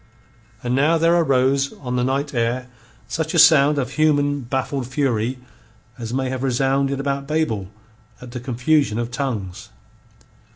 And now there arose on the night air such a sound of human baffled fury as may have resounded about Babel at the confusion of tongues.